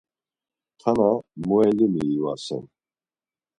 Tana muelimi ivasen.